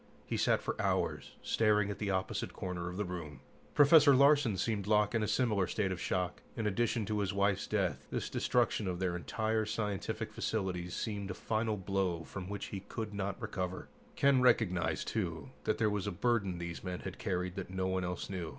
He sat for hours, staring at the opposite corner of the room. Professor Larsen seemed locked in a similar state of shock. In addition to his wife's death, this destruction of their entire scientific facilities seemed a final blow from which he could not recover. Ken recognized, too, that there was a burden these men had carried that no one else knew.